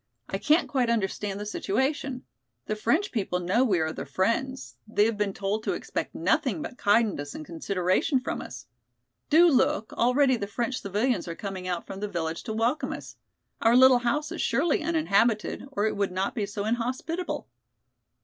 I can't quite understand the situation. The French people know we are their friends; they have been told to expect nothing but kindness and consideration from us. Do look, already the French civilians are coming out from the village to welcome us. Our little house is surely uninhabited or it would not be so inhospitable."